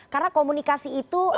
karena komunikasi itu